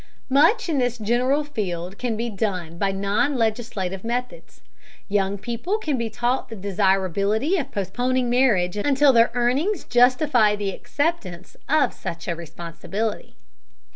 Much in this general field can be done by non legislative methods. Young people can be taught the desirability of postponing marriage until their earnings justify the acceptance of such a responsibility.